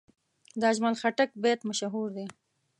د اجمل خټک بیت مشهور دی.